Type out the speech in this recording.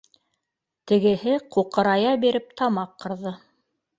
Тегеһе ҡуҡырая биреп тамаҡ ҡырҙы